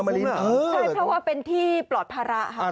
ใช่เพราะว่าเป็นที่ปลอดภาระค่ะ